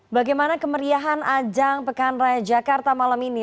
bagaimana kemeriahan ajang pekan raya jakarta malam ini